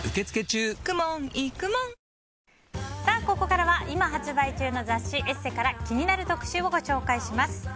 ここからは今発売中の雑誌「ＥＳＳＥ」から気になる特集をご紹介します。